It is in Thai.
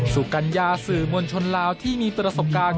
กัญญาสื่อมวลชนลาวที่มีประสบการณ์